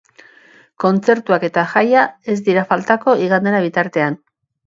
Kontzertuak eta jaia ez dira faltako igandera bitartean.